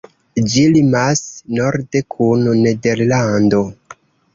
Ĝi limas norde kun Nederlando.